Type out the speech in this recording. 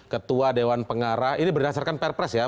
ketua dewan pengarah ini berdasarkan perpres ya